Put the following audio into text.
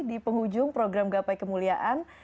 di penghujung program gapai kemuliaan